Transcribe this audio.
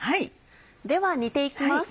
では煮て行きます。